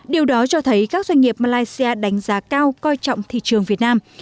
điều đó cho thấy các doanh nghiệp malaysia đánh giá cao coi trọng thị trường việt nam